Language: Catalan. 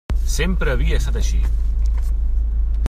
Sempre havia estat així.